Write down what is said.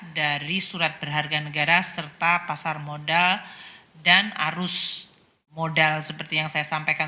dari surat berharga negara serta pasar modal dan arus modal seperti yang saya sampaikan